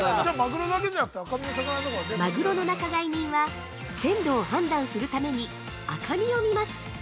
◆マグロの仲買人は、鮮度を判断するために、赤身を見ます。